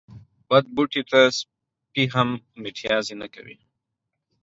بد بوټي ته سپي هم متازې نه کوی